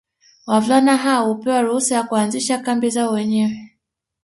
Wavulana hao hupewa ruhusa ya kuanzisha kambi zao wenyewe